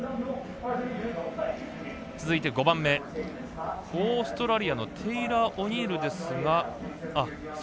続いて５番目オーストラリアのテイラー・オニールですが。